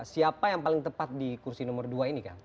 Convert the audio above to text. siapa yang paling tepat di kursi nomor dua ini kang